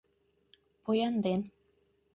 Поян ден